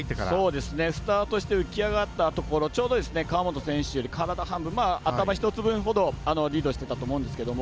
スタートして浮き上がったところちょうど川本選手より体半分頭１つ分ほどリードしてたと思うんですけど。